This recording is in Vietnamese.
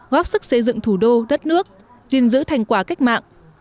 góp sức xây dựng thủ đô đất nước gìn giữ thành quả cách mạng